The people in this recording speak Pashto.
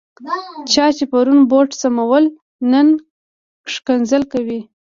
چا چې پرون بوټ سمول، نن کنځل کوي.